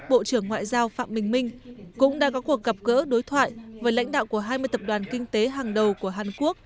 bộ trưởng ngoại giao phạm bình minh cũng đã có cuộc gặp gỡ đối thoại với lãnh đạo của hai mươi tập đoàn kinh tế hàng đầu của hàn quốc